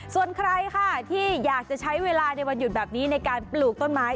ส่วนใครค่ะที่อยากจะใช้เวลาในวันหยุดแบบนี้ในการปลูกต้นไม้